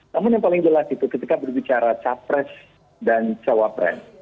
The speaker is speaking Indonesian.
namun yang paling jelas itu ketika berbicara capres dan cawapres